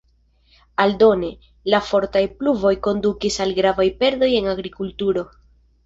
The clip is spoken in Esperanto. Aldone, la fortaj pluvoj kondukis al gravaj perdoj en agrikulturo.